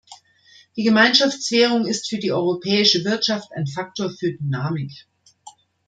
Die Gemeinschaftswährung ist für die europäische Wirtschaft ein Faktor für Dynamik.